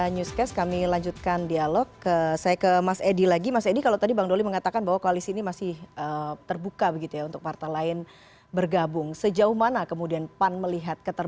newscast kami akan kembali